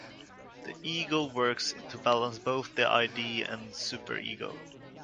The ego works to balance both the id and superego.